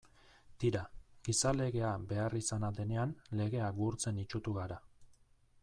Tira, gizalegea beharrizana denean legea gurtzen itsutu gara.